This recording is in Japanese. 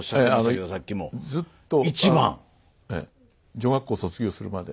女学校を卒業するまで。